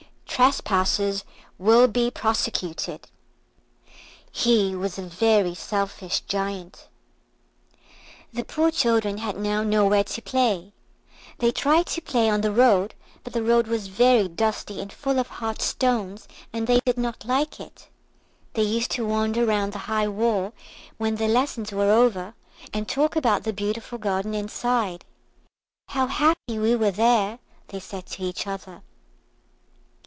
TRESPASSERS WILL BE PROSECUTED He was a very selfish Giant. The poor children had now nowhere to play. They tried to play on the road, but the road was very dusty and full of hard stones, and they did not like it. They used to wander round the high wall when their lessons were over, and talk about the beautiful garden inside. "How happy we were there," they said to each other.